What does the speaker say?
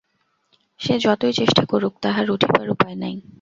সে যতই চেষ্টা করুক, তাহার উঠিবার উপায় নাই।